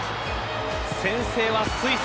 先制はスイス。